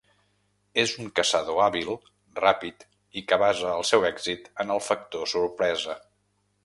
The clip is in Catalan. És un caçador hàbil, ràpid i que basa el seu èxit en el factor sorpresa.